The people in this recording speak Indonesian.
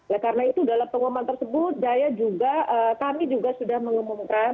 ya karena itu dalam pengumuman tersebut saya juga kami juga sudah mengumumkan